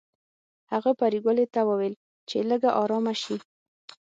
هغه پريګلې ته وویل چې لږه ارامه شي